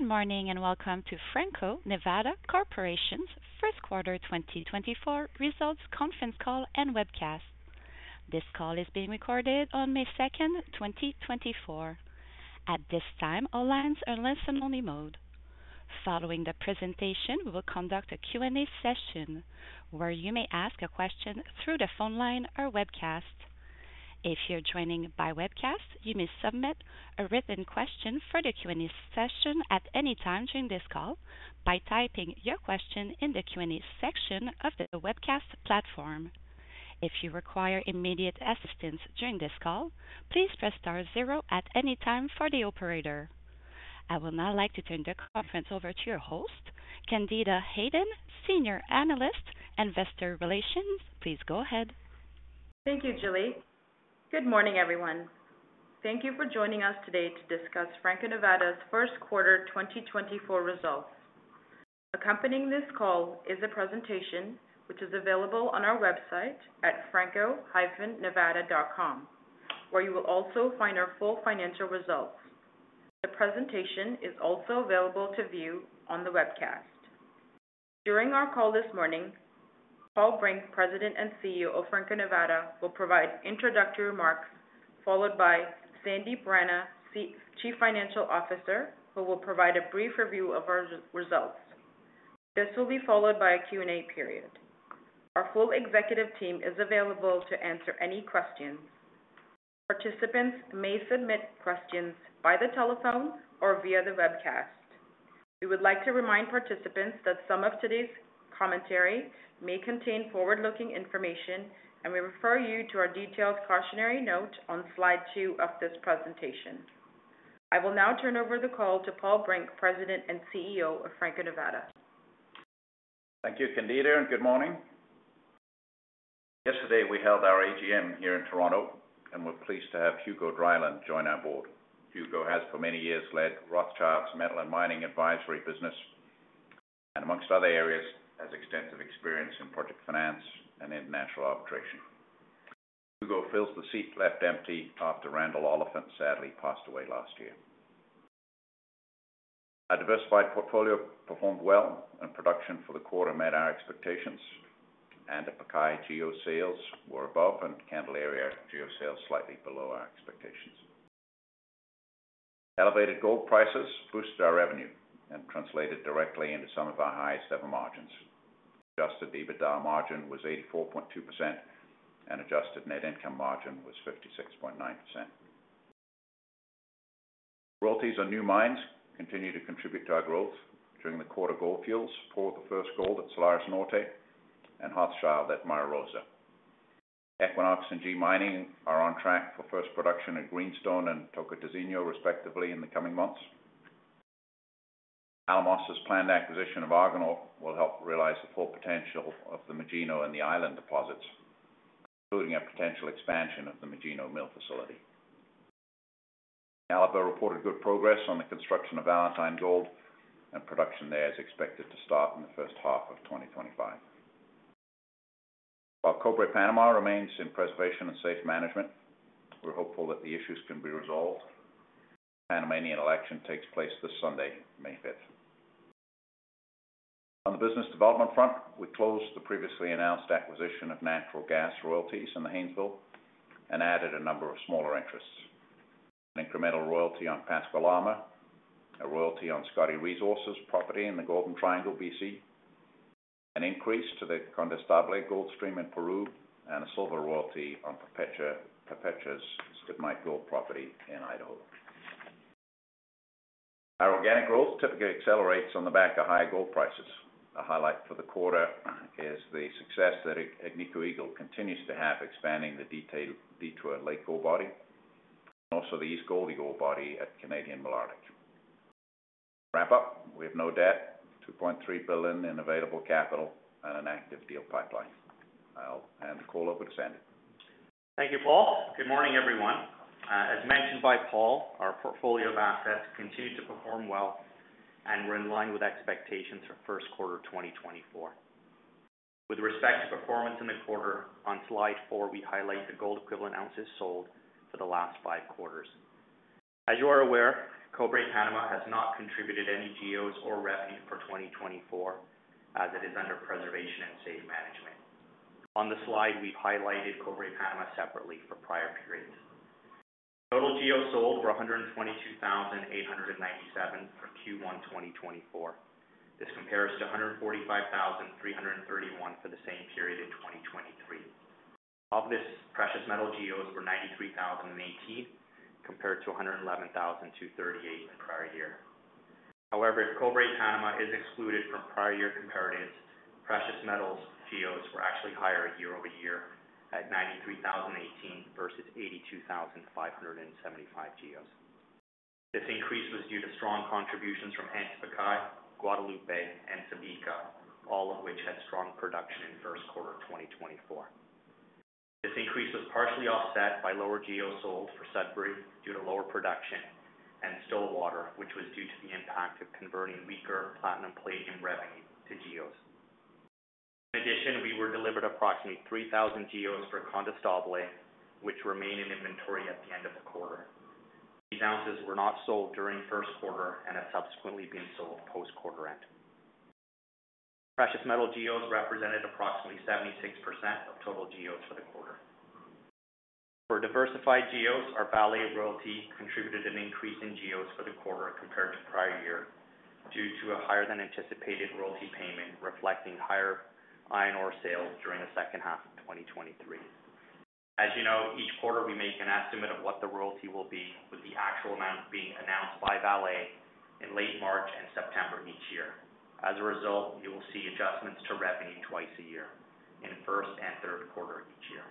Good morning, and welcome to Franco-Nevada Corporation's first quarter 2024 results conference call and webcast. This call is being recorded on May 2, 2024. At this time, all lines are in listen-only mode. Following the presentation, we will conduct a Q&A session, where you may ask a question through the phone line or webcast. If you're joining by webcast, you may submit a written question for the Q&A session at any time during this call by typing your question in the Q&A section of the webcast platform. If you require immediate assistance during this call, please press star zero at any time for the operator. I will now like to turn the conference over to your host, Candida Hayden, Senior Analyst, Investor Relations. Please go ahead. Thank you, Julie. Good morning, everyone. Thank you for joining us today to discuss Franco-Nevada's first quarter 2024 results. Accompanying this call is a presentation which is available on our website at franco-nevada.com, where you will also find our full financial results. The presentation is also available to view on the webcast. During our call this morning, Paul Brink, President and CEO of Franco-Nevada, will provide introductory remarks, followed by Sandip Rana, Chief Financial Officer, who will provide a brief review of our results. This will be followed by a Q&A period. Our full executive team is available to answer any questions. Participants may submit questions by the telephone or via the webcast. We would like to remind participants that some of today's commentary may contain forward-looking information, and we refer you to our detailed cautionary note on slide two of this presentation. I will now turn over the call to Paul Brink, President and CEO of Franco-Nevada. Thank you, Candida, and good morning. Yesterday, we held our AGM here in Toronto, and we're pleased to have Hugo Dryland join our board. Hugo has for many years led Rothschild & Co's Metals & Mining Advisory business, and among other areas, has extensive experience in project finance and international arbitration. Hugo fills the seat left empty after Randall Oliphant sadly passed away last year. Our diversified portfolio performed well, and production for the quarter met our expectations. Antapaccay GEO sales were above, and Candelaria GEO sales slightly below our expectations. Elevated gold prices boosted our revenue and translated directly into some of our highest ever margins. Adjusted EBITDA margin was 84.2%, and adjusted net income margin was 56.9%. Royalties on new mines continue to contribute to our growth. During the quarter, Gold Fields poured the first gold at Salares Norte and Hochschild at Mara Rosa. Equinox and G Mining are on track for first production at Greenstone and Tocantinzinho, respectively, in the coming months. Alamos' planned acquisition of Argonaut will help realize the full potential of the Magino and the Island deposits, including a potential expansion of the Magino mill facility. Marathon reported good progress on the construction of Valentine Gold, and production there is expected to start in the first half of 2025. While Cobre Panama remains i. preservation and safe management, we're hopeful that the issues can be resolved. Panamanian election takes place this Sunday, May 5. On the business development front, we closed the previously announced acquisition of natural gas royalties in the Haynesville and added a number of smaller interests. An incremental royalty on Pascua-Lama, a royalty on Skeena Resources property in the Golden Triangle, BC, an increase to the Condestable gold stream in Peru, and a silver royalty on Perpetua, Perpetua's Stibnite Gold property in Idaho. Our organic growth typically accelerates on the back of high gold prices. A highlight for the quarter is the success that Agnico Eagle continues to have, expanding the Detour Lake gold body and also the East Gouldie body at Canadian Malartic. Wrap up, we have no debt, $2.3 billion in available capital and an active deal pipeline. I'll hand the call over to Sandip. Thank you, Paul. Good morning, everyone. As mentioned by Paul, our portfolio of assets continued to perform well, and we're in line with expectations for first quarter 2024. With respect to performance in the quarter, on slide four, we highlight the gold equivalent ounces sold for the last five quarters. As you are aware, Cobre Panama has not contributed any GEOs or revenue for 2024, as it is under preservation and safe management. On the slide, we've highlighted Cobre Panama separately for prior periods. Total GEO sold for 122,897 for Q1 2024. This compares to 145,331 for the same period in 2023. Of this, precious metal GEOs were 93,018, compared to 111,238 the prior year. However, if Cobre Panama is excluded from prior year comparatives, precious metals GEOs were actually higher year-over-year at 93,018 versus 82,575 GEOs. This increase was due to strong contributions from Antapaccay, Guadalupe, and Subika, all of which had strong production in first quarter of 2024. This increase was partially offset by lower GEOs sold for Sudbury due to lower production and Stillwater, which was due to the impact of converting weaker platinum palladium revenue to GEOs. In addition, we were delivered approximately 3,000 GEOs for Condestable, which remain in inventory at the end of the quarter. These ounces were not sold during first quarter and have subsequently been sold post-quarter end. Precious metal GEOs represented approximately 76% of total GEOs for the quarter. For diversified GEOs, our Vale royalty contributed an increase in GEOs for the quarter compared to prior year, due to a higher than anticipated royalty payment, reflecting higher iron ore sales during the second half of 2023. As you know, each quarter we make an estimate of what the royalty will be, with the actual amount being announced by Vale in late March and September of each year. As a result, you will see adjustments to revenue twice a year, in the first and third quarter of each year.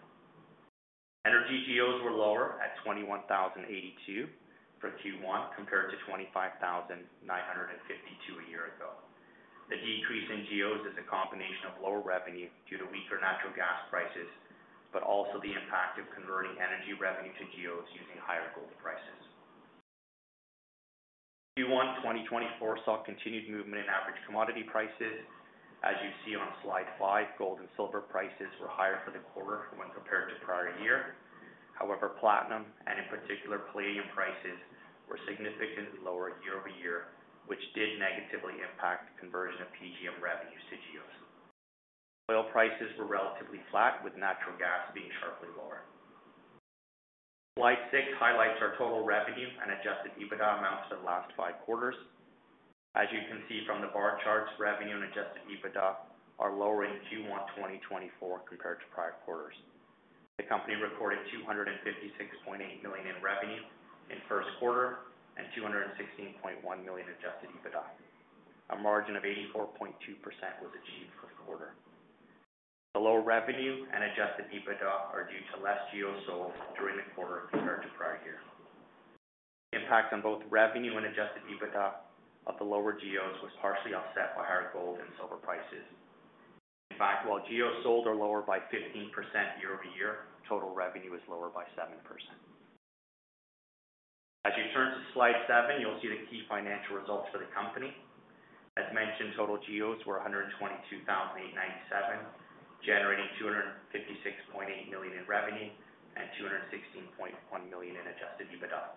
Energy GEOs were lower at 21,082 for Q1, compared to 25,952 a year ago. The decrease in GEOs is a combination of lower revenue due to weaker natural gas prices, but also the impact of converting energy revenue to GEOs using higher gold prices. Q1 2024 saw continued movement in average commodity prices. As you see on slide five, gold and silver prices were higher for the quarter when compared to prior year. However, platinum, and in particular, palladium prices were significantly lower year-over-year, which did negatively impact the conversion of PGM revenue to GEOs. Oil prices were relatively flat, with natural gas being sharply lower. Slide six highlights our total revenue and adjusted EBITDA amounts for the last five quarters. As you can see from the bar charts, revenue and adjusted EBITDA are lower in Q1 2024 compared to prior quarters. The company recorded $256.8 million in revenue in first quarter, and $216.1 million adjusted EBITDA. A margin of 84.2% was achieved for the quarter. The lower revenue and adjusted EBITDA are due to less GEOs sold during the quarter compared to prior year. The impact on both revenue and adjusted EBITDA of the lower GEOs was partially offset by higher gold and silver prices. In fact, while GEOs sold are lower by 15% year-over-year, total revenue is lower by 7%. As you turn to slide seven, you'll see the key financial results for the company. As mentioned, total GEOs were 122,897, generating $256.8 million in revenue and $216.1 million in adjusted EBITDA.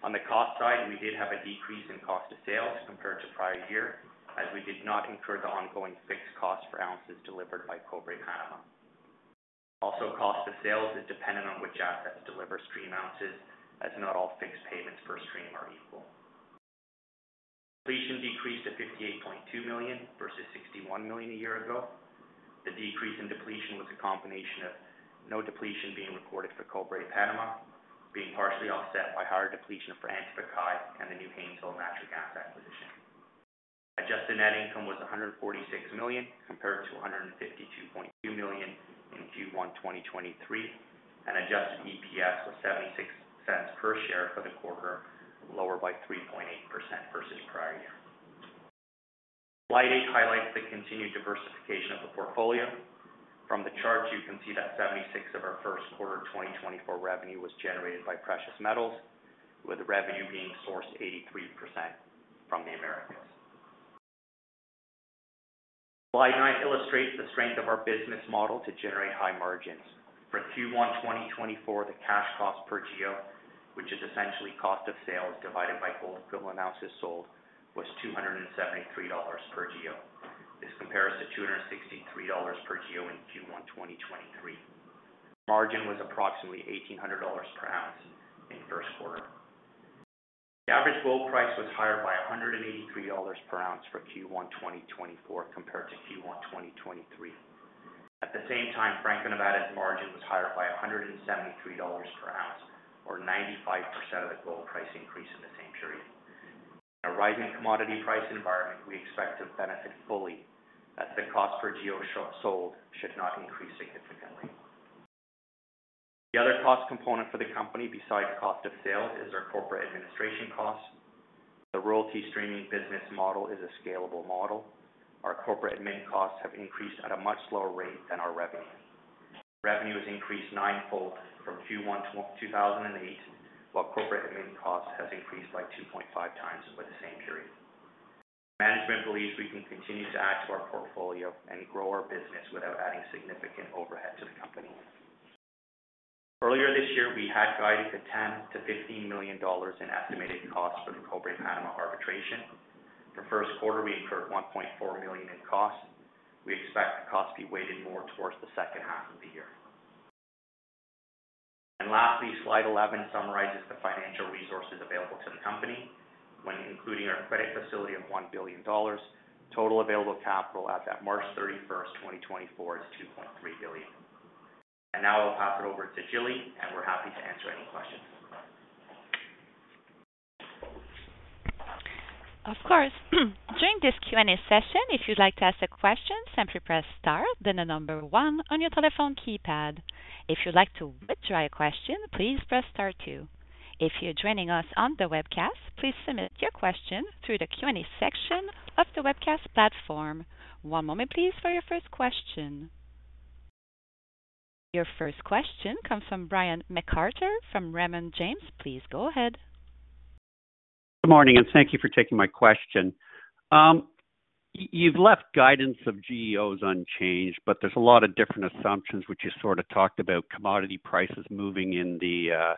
On the cost side, we did have a decrease in cost of sales compared to prior year, as we did not incur the ongoing fixed cost for ounces delivered by Cobre Panama. Also, cost of sales is dependent on which assets deliver stream ounces, as not all fixed payments per stream are equal. Depletion decreased to $58.2 million versus $61 million a year ago. The decrease in depletion was a combination of no depletion being recorded for Cobre Panama, being partially offset by higher depletion for Antapaccay and the new Haynesville natural gas acquisition. Adjusted net income was $146 million, compared to $152.2 million in Q1 2023, and adjusted EPS was $0.76 per share for the quarter, lower by 3.8% versus prior year. Slide eight highlights the continued diversification of the portfolio. From the charts, you can see that 76% of our first quarter 2024 revenue was generated by precious metals, with revenue being sourced 83% from the Americas. Slide nine illustrates the strength of our business model to generate high margins. For Q1 2024, the cash cost per GEO, which is essentially cost of sales divided by gold equivalent ounces sold, was $273 per GEO. This compares to $263 per GEO in Q1 2023. Margin was approximately $1,800 per ounce in first quarter. The average gold price was higher by $183 per ounce for Q1 2024, compared to Q1 2023. At the same time, Franco-Nevada's margin was higher by $173 per ounce, or 95% of the gold price increase in the same period. In a rising commodity price environment, we expect to benefit fully, as the cost per GEO sold should not increase significantly. The other cost component for the company, besides cost of sales, is our corporate administration costs. The royalty streaming business model is a scalable model. Our corporate admin costs have increased at a much lower rate than our revenue. Revenue has increased ninefold from Q1 2008, while corporate admin costs has increased by 2.5 times over the same period. Management believes we can continue to add to our portfolio and grow our business without adding significant overhead to the company. Earlier this year, we had guided to $10 million-$15 million in estimated costs for the Cobre Panama arbitration. For first quarter, we incurred $1.4 million in costs. We expect costs to be weighted more towards the second half of the year. And lastly, slide 11 summarizes the financial resources available to the company. When including our credit facility of $1 billion, total available capital as at March 31, 2024, is $2.3 billion. Now I'll pass it over to Julie, and we're happy to answer any questions. Of course. During this Q&A session, if you'd like to ask a question, simply press star, then the number one on your telephone keypad. If you'd like to withdraw your question, please press star two. If you're joining us on the webcast, please submit your question through the Q&A section of the webcast platform. One moment please for your first question. Your first question comes from Brian MacArthur from Raymond James. Please go ahead. Good morning, and thank you for taking my question. You've left guidance of GEOs unchanged, but there's a lot of different assumptions, which you sort of talked about, commodity prices moving in the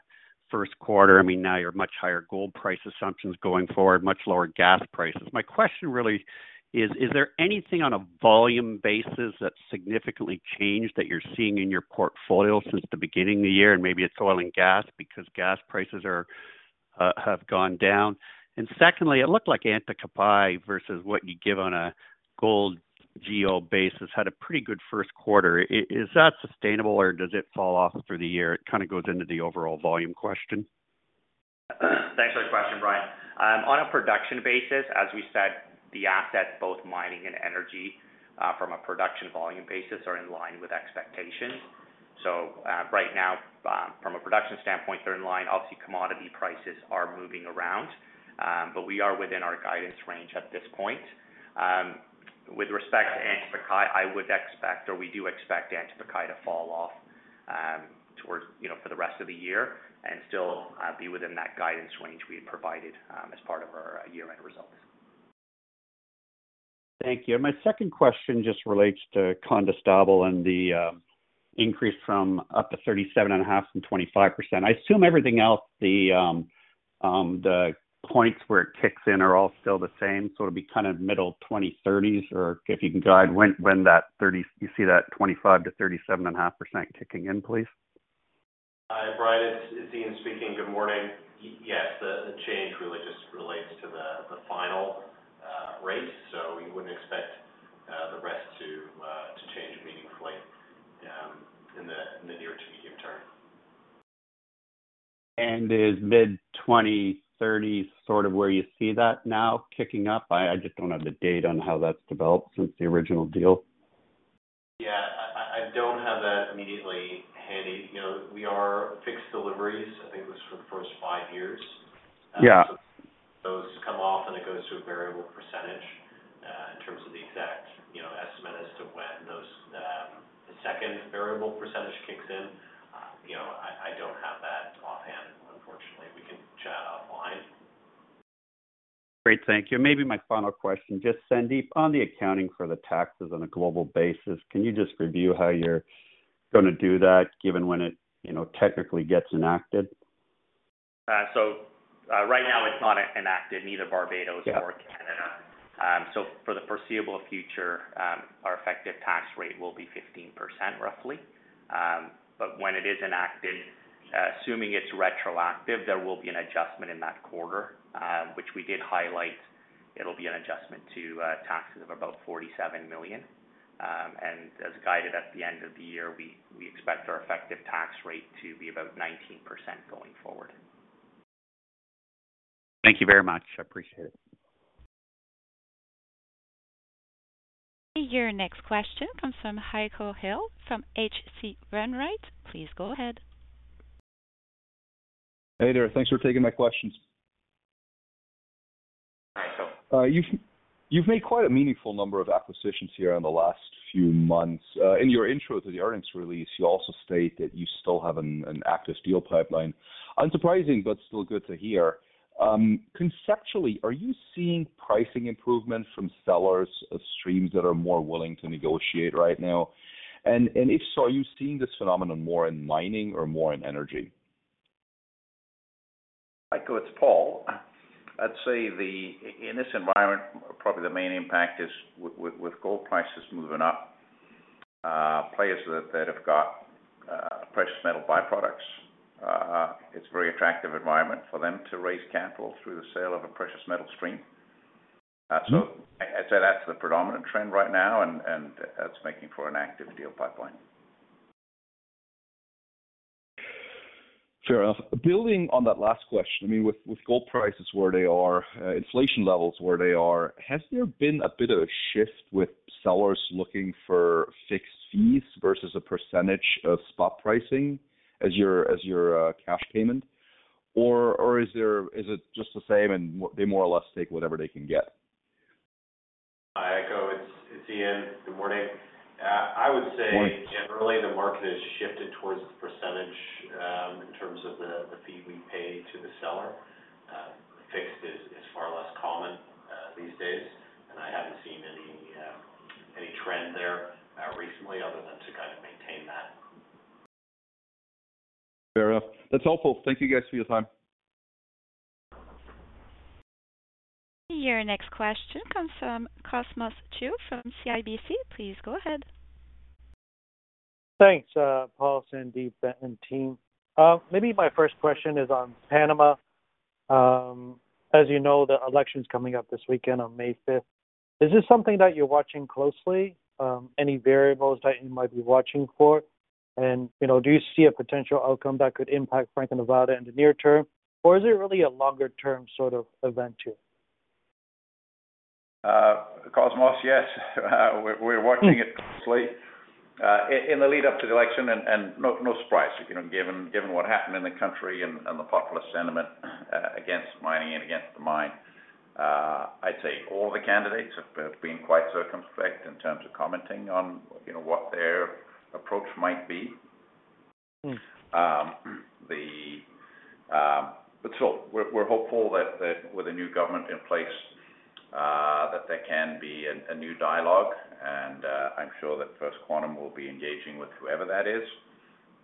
first quarter. I mean, now your much higher gold price assumptions going forward, much lower gas prices. My question really is, is there anything on a volume basis that significantly changed that you're seeing in your portfolio since the beginning of the year? And maybe it's oil and gas, because gas prices have gone down. And secondly, it looked like Antapaccay versus what you give on a gold GEO basis, had a pretty good first quarter. Is that sustainable or does it fall off through the year? It kind of goes into the overall volume question. Thanks for the question, Brian. On a production basis, as we said, the assets, both mining and energy, from a production volume basis, are in line with expectations. So, right now, from a production standpoint, they're in line. Obviously, commodity prices are moving around, but we are within our guidance range at this point. With respect to Antapaccay, I would expect, or we do expect Antapaccay to fall off, towards, you know, for the rest of the year and still, be within that guidance range we had provided, as part of our year-end results. Thank you. My second question just relates to Condestable and the increase from up to 37.5 from 25%. I assume everything else, the points where it kicks in are all still the same, so it'll be kind of middle 20s, 30s, or if you can guide when that 30. You see that 25% to 37.5% kicking in, please. Hi, Brian, it's Ewan speaking. Good morning. Yes, the change really just relates to the final race, so we wouldn't expect the rest to change meaningfully in the near to medium term. Is mid-2030 sort of where you see that now kicking up? I just don't have the date on how that's developed since the original deal. Yeah, I don't have that immediately handy. You know, we are fixed deliveries. I think it was for the first five years. Yeah. Those come off, and it goes to a variable percentage, in terms of the exact, you know, estimate as to when those, the second variable percentage kicks in. You know, I don't have that offhand, unfortunately. We can chat offline. Great, thank you. Maybe my final question, just Sandip, on the accounting for the taxes on a global basis, can you just review how you're gonna do that, given when it, you know, technically gets enacted? So, right now, it's not enacted, neither Barbados nor Canada. Yeah. For the foreseeable future, our effective tax rate will be 15%, roughly. When it is enacted, assuming it's retroactive, there will be an adjustment in that quarter, which we did highlight. It'll be an adjustment to taxes of about $47 million. As guided at the end of the year, we expect our effective tax rate to be about 19% going forward. Thank you very much. I appreciate it. Your next question comes from Heiko Ihle, from H.C. Wainwright. Please go ahead. Hey there. Thanks for taking my questions. Hi, Heiko. You've made quite a meaningful number of acquisitions here in the last few months. In your intro to the earnings release, you also state that you still have an active deal pipeline. Unsurprising, but still good to hear. Conceptually, are you seeing pricing improvements from sellers of streams that are more willing to negotiate right now? And if so, are you seeing this phenomenon more in mining or more in energy? Heiko, it's Paul. I'd say the, in this environment, probably the main impact is with, with gold prices moving up, players that have got precious metal byproducts, it's a very attractive environment for them to raise capital through the sale of a precious metal stream. Mm-hmm. So I'd say that's the predominant trend right now, and that's making for an active deal pipeline. Fair enough. Building on that last question, I mean, with gold prices where they are, inflation levels where they are, has there been a bit of a shift with sellers looking for fixed fees versus a percentage of spot pricing as your cash payment? Or is there? Is it just the same and they more or less take whatever they can get? Hi, Heiko, it's Ewan. Good morning. Morning. I would say generally, the market has shifted towards the percentage, in terms of the fee we pay to the seller. Fixed is far less common these days, and I haven't seen any trend there recently other than to kind of maintain that. Fair enough. That's helpful. Thank you guys for your time. Your next question comes from Cosmos Chiu from CIBC. Please go ahead. Thanks, Paul, Sandip and team. Maybe my first question is on Panama. As you know, the election's coming up this weekend on May 5th. Is this something that you're watching closely? Any variables that you might be watching for? And, you know, do you see a potential outcome that could impact Franco-Nevada in the near term, or is it really a longer-term sort of event too? Cosmos, yes, we're watching it closely. In the lead up to the election, and no surprise, you know, given what happened in the country and the populist sentiment against mining and against the mine. I'd say all the candidates have been quite circumspect in terms of commenting on, you know, what their approach might be. But so we're hopeful that with a new government in place, that there can be a new dialogue, and I'm sure that First Quantum will be engaging with whoever that is,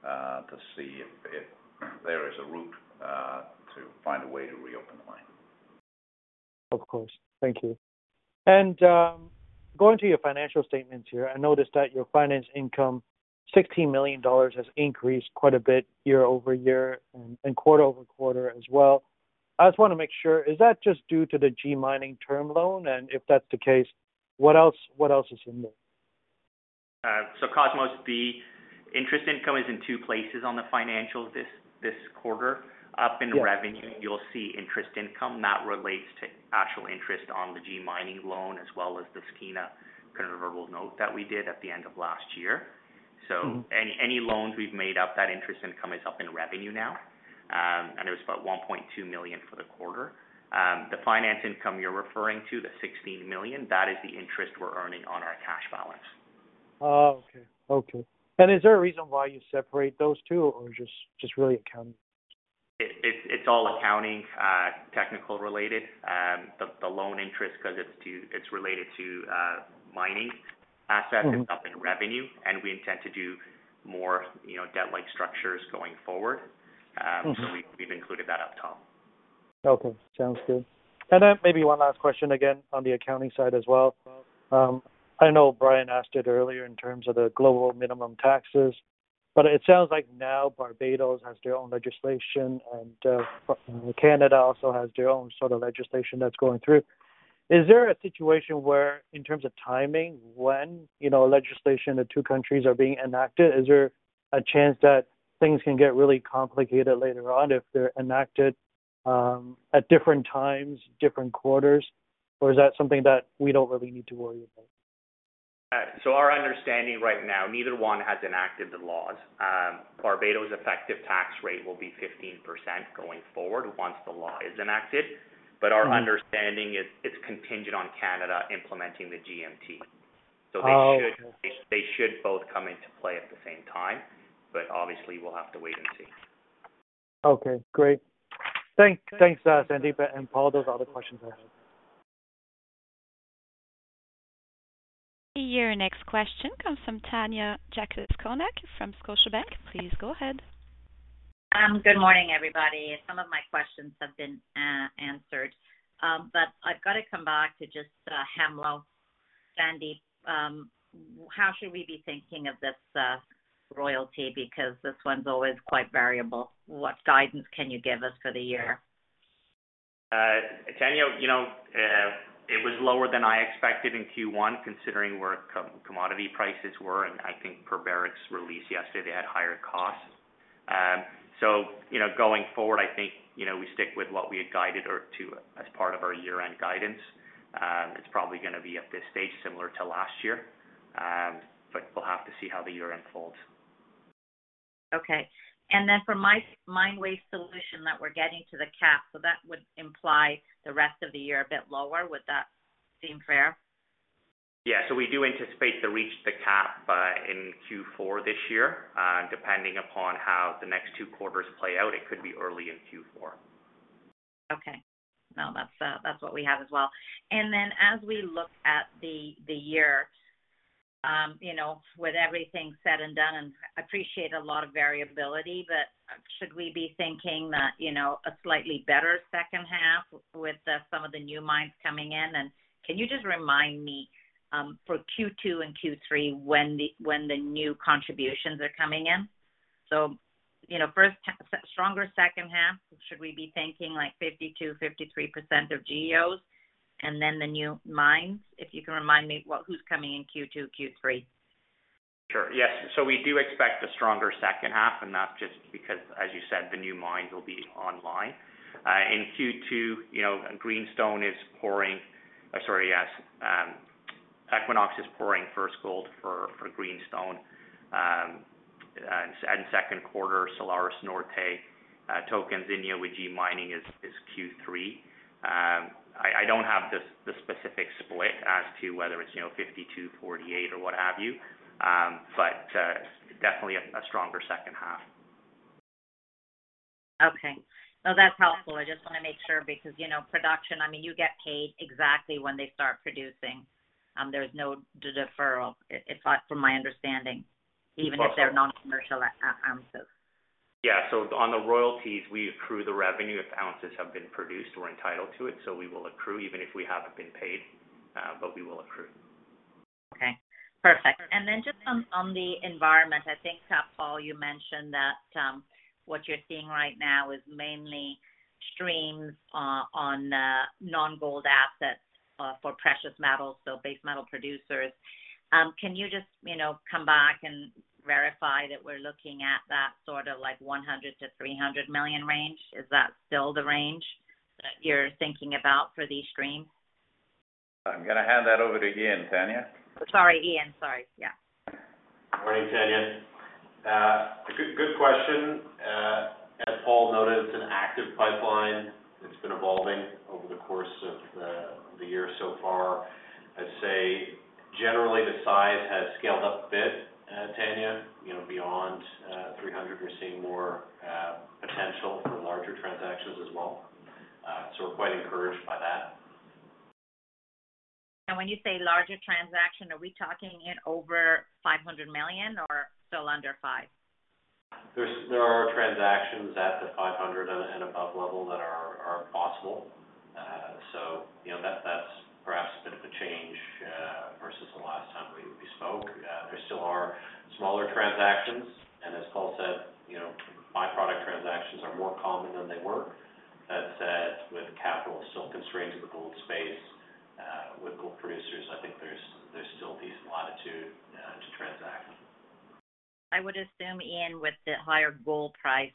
to see if there is a route to find a way to reopen the mine. Of course. Thank you. And, going to your financial statements here, I noticed that your finance income, $16 million, has increased quite a bit year-over-year and, and quarter-over-quarter as well. I just wanna make sure, is that just due to the G Mining term loan? And if that's the case, what else, what else is in there? So, Cosmos, the interest income is in two places on the financials this quarter. Yes. Up in revenue, you'll see interest income that relates to actual interest on the G Mining loan, as well as the Skeena convertible note that we did at the end of last year. Mm-hmm. So any loans we've made up, that interest income is up in revenue now. And it was about $1.2 million for the quarter. The finance income you're referring to, the $16 million, that is the interest we're earning on our cash balance. Oh, okay. Okay. And is there a reason why you separate those two, or just, just really accounting? It's all accounting, technical related. The loan interest, 'cause it's related to mining assets- Mm-hmm. It's up in revenue, and we intend to do more, you know, debt-like structures going forward. Mm-hmm. So we've included that up top. Okay, sounds good. And then maybe one last question again on the accounting side as well. I know Brian asked it earlier in terms of the global minimum taxes, but it sounds like now Barbados has their own legislation, and Canada also has their own sort of legislation that's going through. Is there a situation where, in terms of timing, when, you know, legislation in the two countries are being enacted, is there a chance that things can get really complicated later on if they're enacted at different times, different quarters? Or is that something that we don't really need to worry about? Our understanding right now, neither one has enacted the laws. Barbados' effective tax rate will be 15% going forward, once the law is enacted. Mm. But our understanding is, it's contingent on Canada implementing the GMT. Oh, okay. They should, they should both come into play at the same time, but obviously we'll have to wait and see. Okay, great. Thanks, Sandip and Paul. Those are all the questions I have. Your next question comes from Tanya Jakusconek from Scotiabank. Please go ahead. Good morning, everybody. Some of my questions have been answered. But I've got to come back to just Hemlo. Sandip, how should we be thinking of this royalty? Because this one's always quite variable. What guidance can you give us for the year? Tanya, you know, it was lower than I expected in Q1, considering where commodity prices were, and I think for Barrick's release yesterday, they had higher costs. So, you know, going forward, I think, you know, we stick with what we had guided or to, as part of our year-end guidance. It's probably gonna be, at this stage, similar to last year, but we'll have to see how the year unfolds. Okay. And then for my Mine Waste Solutions that we're getting to the cap, so that would imply the rest of the year a bit lower. Would that seem fair? Yeah. So we do anticipate to reach the cap in Q4 this year. Depending upon how the next two quarters play out, it could be early in Q4. Okay. No, that's, that's what we have as well. And then as we look at the, the year, you know, with everything said and done, and I appreciate a lot of variability, but should we be thinking that, you know, a slightly better second half with, some of the new mines coming in? And can you just remind me, for Q2 and Q3, when the, when the new contributions are coming in? So, you know, first, stronger second half, should we be thinking like 52, 53% of GEOs? And then the new mines, if you can remind me what, who's coming in Q2, Q3. Sure. Yes. So we do expect a stronger second half, and that's just because, as you said, the new mines will be online. In Q2, you know, Greenstone is pouring—sorry, yes, Equinox is pouring first gold for, for Greenstone. And second quarter, Salares Norte, Tocantinzinho with G Mining is, is Q3. I don't have the, the specific split as to whether it's, you know, 52, 48 or what have you, but, definitely a, a stronger second half. Okay. No, that's helpful. I just wanna make sure, because, you know, production, I mean, you get paid exactly when they start producing. There's no deferral, it, if from my understanding, even if they're non-commercial ounces. Yeah. So on the royalties, we accrue the revenue. If ounces have been produced, we're entitled to it, so we will accrue even if we haven't been paid, but we will accrue. Okay, perfect. And then just on the environment, I think, Paul, you mentioned that what you're seeing right now is mainly streams on non-gold assets for precious metals, so base metal producers. Can you just, you know, come back and verify that we're looking at that sort of like $100 million-$300 million range? Is that still the range that you're thinking about for these streams? I'm gonna hand that over to Ewan, Tanya. Sorry, Ewan. Sorry, yeah. Morning, Tanya. Good, good question. As Paul noted, it's an active pipeline. It's been evolving over the course of the year so far. I'd say, generally, the size has scaled up a bit, Tanya. You know, beyond $300, we're seeing more potential for larger transactions as well. So we're quite encouraged by that. When you say larger transaction, are we talking in over $500 million or still under $5? There are transactions at the $500 and above level that are possible. So, you know, that's perhaps a bit of a change versus the last time we spoke. There still are smaller transactions, and as Paul said, you know, by-product transactions are more common than they were. That said, with capital still constrained to the gold space, with gold producers, I think there's still decent latitude to transact. I would assume, Ewan, with the higher gold price,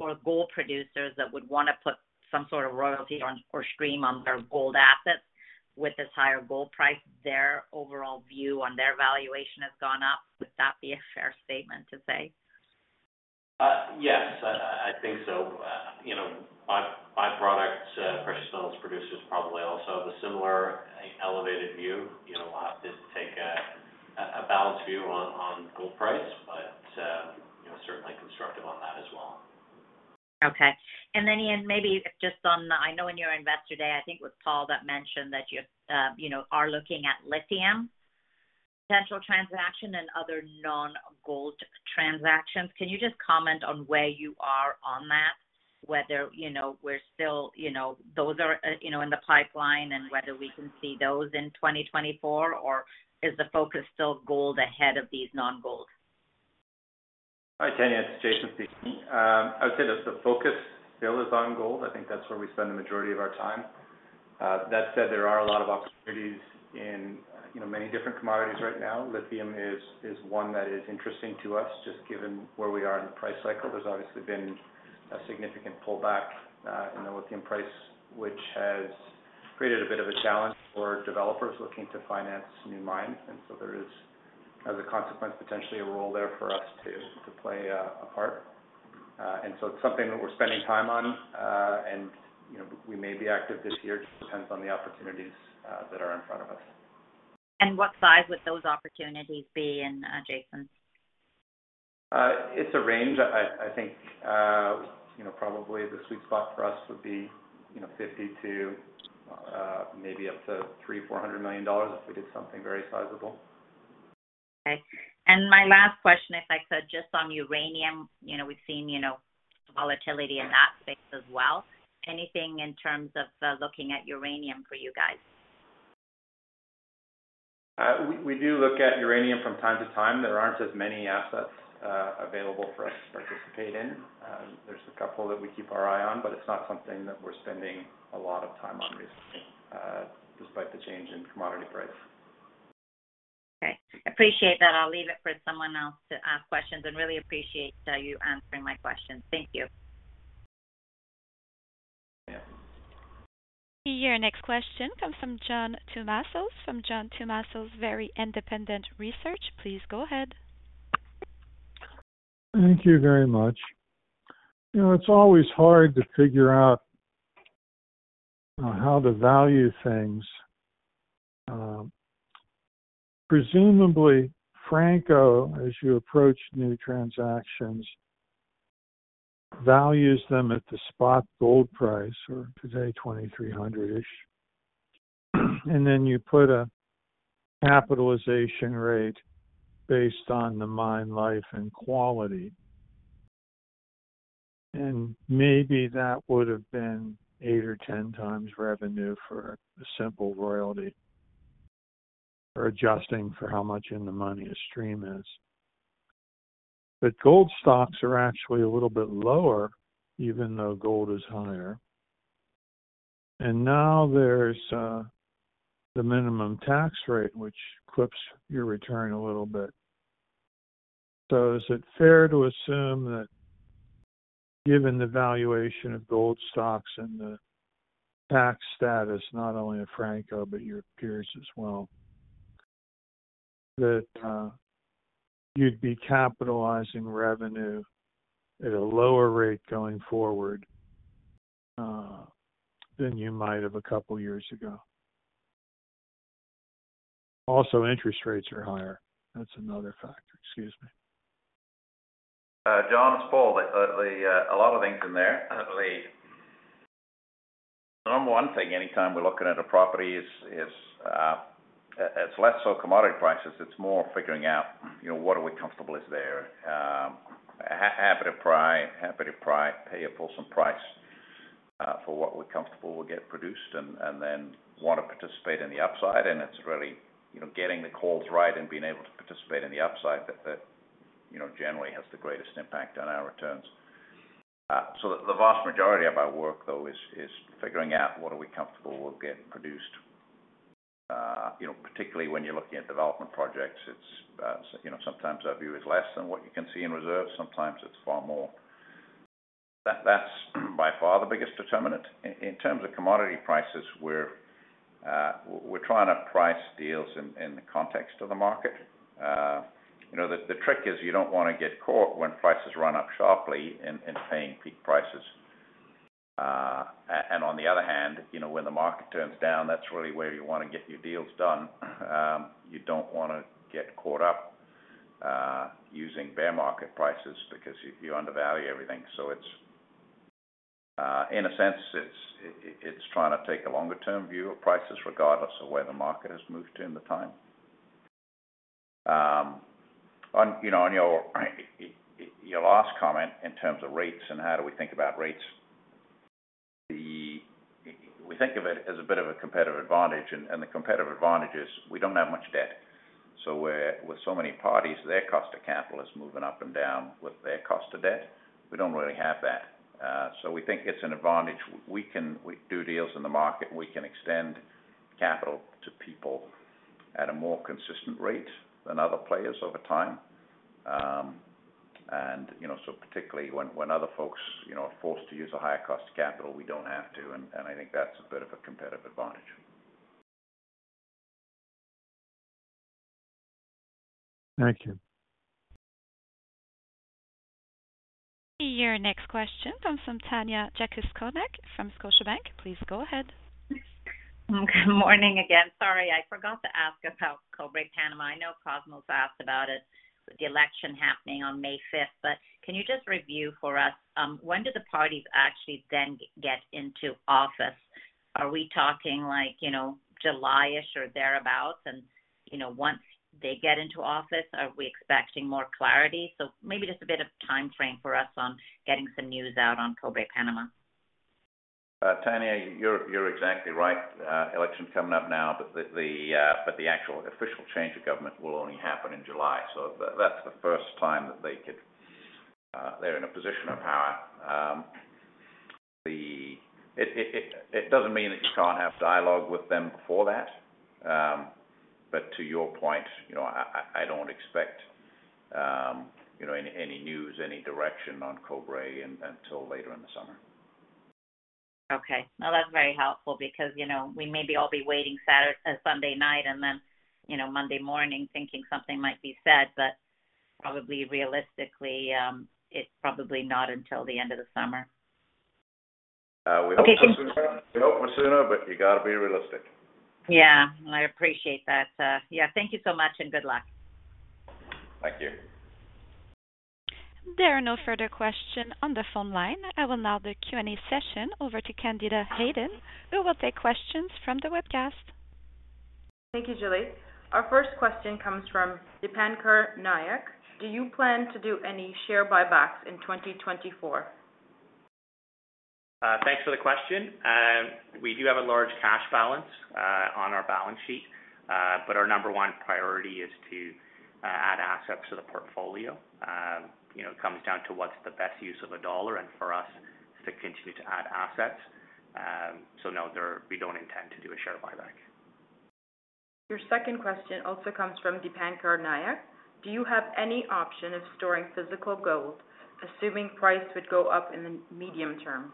for gold producers that would wanna put some sort of royalty on or stream on their gold assets, with this higher gold price, their overall view on their valuation has gone up. Would that be a fair statement to say? Yes, I think so. You know, by-product precious metals producers probably also have a similar elevated view. You know, we'll have to take a balanced view on gold price, but you know, certainly constructive on that as well. Okay. And then, Ewan, maybe just on the I know in your Investor Day, I think it was Paul that mentioned that you, you know, are looking at lithium potential transaction and other non-gold transactions. Can you just comment on where you are on that? Whether, you know, we're still, you know, those are, you know, in the pipeline, and whether we can see those in 2024, or is the focus still gold ahead of these non-gold? Hi, Tanya, it's Jason speaking. I would say that the focus still is on gold. I think that's where we spend the majority of our time. That said, there are a lot of opportunities in, you know, many different commodities right now. Lithium is, is one that is interesting to us, just given where we are in the price cycle. There's obviously been a significant pullback in the lithium price, which has created a bit of a challenge for developers looking to finance new mines. And so there is, as a consequence, potentially a role there for us to, to play a part. And so it's something that we're spending time on. And, you know, we may be active this year, just depends on the opportunities that are in front of us. What size would those opportunities be in, Jason? It's a range. I think, you know, probably the sweet spot for us would be, you know, 50 to maybe up to $300-$400 million if we did something very sizable. Okay. My last question, if I could, just on uranium. You know, we've seen, you know, volatility in that space as well. Anything in terms of looking at uranium for you guys? We do look at uranium from time to time. There aren't as many assets available for us to participate in. There's a couple that we keep our eye on, but it's not something that we're spending a lot of time on recently, despite the change in commodity price. Okay, appreciate that. I'll leave it for someone else to ask questions and really appreciate you answering my questions. Thank you. Yeah. Your next question comes from John Tumazos, from John Tumazos's Very Independent Research. Please go ahead. Thank you very much. You know, it's always hard to figure out how to value things. Presumably, Franco, as you approach new transactions, values them at the spot gold price, or today, $2,300-ish. And then you put a capitalization rate based on the mine life and quality. And maybe that would've been 8 or 10 times revenue for a simple royalty, or adjusting for how much in the money a stream is. But gold stocks are actually a little bit lower, even though gold is higher. And now there's the minimum tax rate, which clips your return a little bit. So is it fair to assume that given the valuation of gold stocks and the tax status, not only of Franco, but your peers as well, that you'd be capitalizing revenue at a lower rate going forward than you might have a couple years ago? Also, interest rates are higher. That's another factor. Excuse me. John, it's Paul. There's a lot of things in there. The number one thing, anytime we're looking at a property is, it's less so commodity prices, it's more figuring out, you know, what are we comfortable is there. Happy to pay a full price for what we're comfortable will get produced, and then want to participate in the upside. And it's really, you know, getting the calls right and being able to participate in the upside that, you know, generally has the greatest impact on our returns. So the vast majority of our work, though, is figuring out what are we comfortable will get produced. You know, particularly when you're looking at development projects, it's, you know, sometimes our view is less than what you can see in reserves, sometimes it's far more. That's by far the biggest determinant. In terms of commodity prices, we're trying to price deals in the context of the market. You know, the trick is you don't wanna get caught when prices run up sharply in paying peak prices. And on the other hand, you know, when the market turns down, that's really where you wanna get your deals done. You don't wanna get caught up using bear market prices because you undervalue everything. So it's, in a sense, it's trying to take a longer-term view of prices, regardless of where the market has moved to in the time. On, you know, on your your last comment in terms of rates and how do we think about rates? We think of it as a bit of a competitive advantage, and the competitive advantage is we don't have much debt. So where with so many parties, their cost of capital is moving up and down with their cost of debt, we don't really have that. So we think it's an advantage. We do deals in the market. We can extend capital to people at a more consistent rate than other players over time. And, you know, so particularly when other folks, you know, are forced to use a higher cost of capital, we don't have to, and I think that's a bit of a competitive advantage. Thank you. Your next question comes from Tanya Jakusconek from Scotiabank. Please go ahead. Good morning again. Sorry, I forgot to ask about Cobre Panama. I know Cosmos asked about it, with the election happening on May fifth, but can you just review for us, when do the parties actually then get into office? Are we talking like, you know, July-ish or thereabout? And, you know, once they get into office, are we expecting more clarity? So maybe just a bit of timeframe for us on getting some news out on Cobre Panama. Tanya, you're exactly right. Election coming up now, but the actual official change of government will only happen in July. So that's the first time that they could, they're in a position of power. It doesn't mean that you can't have dialogue with them before that, but to your point, you know, I don't expect, you know, any news, any direction on Cobre until later in the summer. Okay. Well, that's very helpful because, you know, we maybe all be waiting Saturday, Sunday night, and then, you know, Monday morning, thinking something might be said, but probably realistically, it's probably not until the end of the summer. We hope sooner. Okay, thank- We hope for sooner, but you gotta be realistic. Yeah, I appreciate that. Yeah, thank you so much, and good luck. Thank you. There are no further questions on the phone line. I will now turn the Q&A session over to Candida Hayden, who will take questions from the webcast. Thank you, Julie. Our first question comes from Dipankar Nayak. Do you plan to do any share buybacks in 2024? Thanks for the question. We do have a large cash balance on our balance sheet, but our number one priority is to add assets to the portfolio. You know, it comes down to what's the best use of a dollar, and for us, to continue to add assets. So no, there—we don't intend to do a share buyback. Your second question also comes from Dipankar Nayak. Do you have any option of storing physical gold, assuming price would go up in the medium term?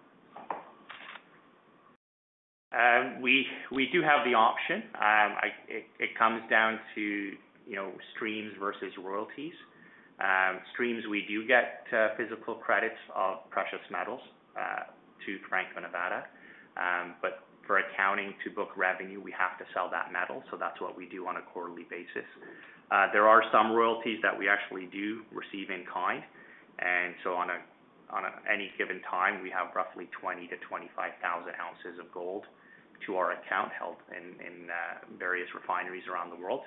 We do have the option. It comes down to, you know, streams versus royalties. Streams, we do get physical credits of precious metals to Franco-Nevada, but for accounting to book revenue, we have to sell that metal, so that's what we do on a quarterly basis. There are some royalties that we actually do receive in kind, and so on any given time, we have roughly 20-25,000 ounces of gold to our account, held in various refineries around the world.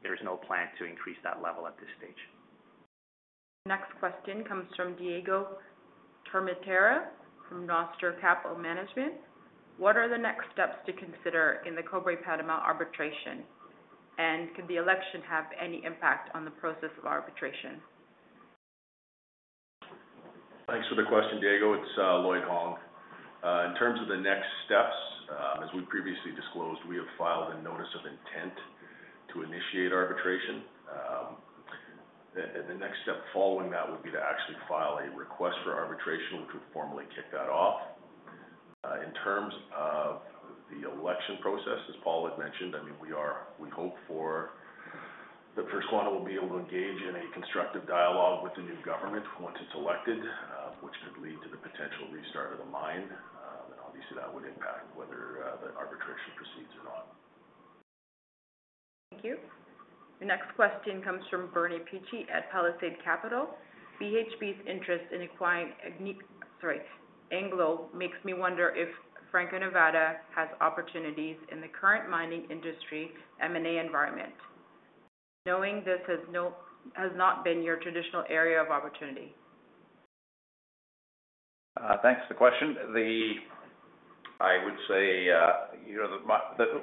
But there's no plan to increase that level at this stage. Next question comes from Diego Termitera, from Nostra Capital Management. What are the next steps to consider in the Cobre Panama arbitration? And could the election have any impact on the process of arbitration? Thanks for the question, Diego. It's Lloyd Hong. In terms of the next steps, as we previously disclosed, we have filed a notice of intent to initiate arbitration. The next step following that would be to actually file a request for arbitration, which would formally kick that off. In terms of the election process, as Paul had mentioned, I mean, we hope that First Quantum will be able to engage in a constructive dialogue with the new government once it's elected, which could lead to the potential restart of the mine. And obviously, that would impact whether the arbitration proceeds or not. Thank you. The next question comes from Bernie Picchi at Palisade Capital. BHP's interest in acquiring Anglo makes me wonder if Franco-Nevada has opportunities in the current mining industry M&A environment, knowing this has not been your traditional area of opportunity. Thanks for the question. I would say, you know,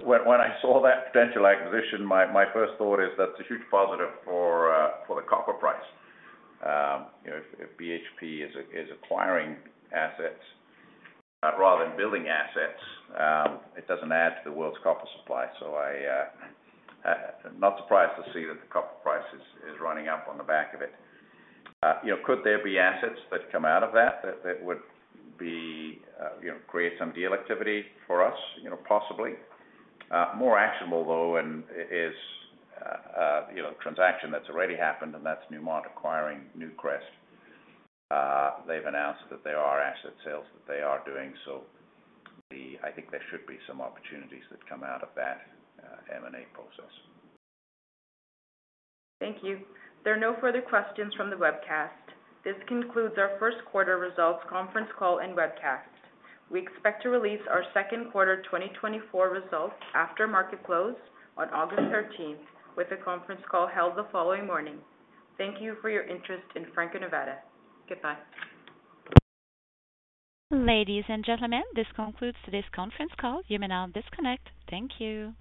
when, when I saw that potential acquisition, my, my first thought is that's a huge positive for the copper price. You know, if, if BHP is acquiring assets rather than building assets, it doesn't add to the world's copper supply. So I not surprised to see that the copper price is running up on the back of it. You know, could there be assets that come out of that that would create some deal activity for us? You know, possibly. More actionable, though, is the transaction that's already happened, and that's Newmont acquiring Newcrest. They've announced that there are asset sales that they are doing, so I think there should be some opportunities that come out of that M&A process. Thank you. There are no further questions from the webcast. This concludes our first quarter results conference call and webcast. We expect to release our second quarter 2024 results after market close on August 13th, with a conference call held the following morning. Thank you for your interest in Franco-Nevada. Goodbye. Ladies and gentlemen, this concludes today's conference call. You may now disconnect. Thank you.